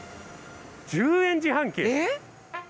１０円自販機？